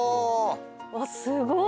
うわっすごい！